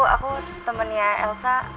aku temennya elsa